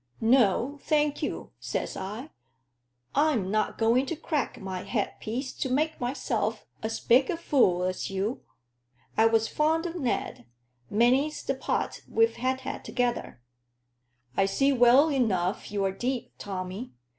'No; thank you,' says I; 'I'm not going to crack my headpiece to make myself as big a fool as you.' I was fond o' Ned. Many's the pot we've had together." "I see well enough you're deep, Tommy.